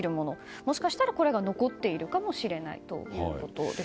もしかしたらこれが残っているかもしれないということです。